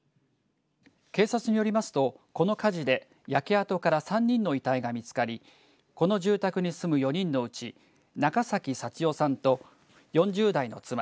警察によりますとこの火事で焼け跡から３人の遺体が見つかりこの住宅に住む４人のうち中崎幸男さんと４０代の妻